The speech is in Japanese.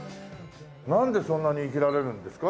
なんでそんなに生きられるんですか？